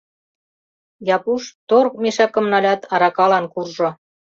Япуш, торык мешакым налят, аракалан куржо.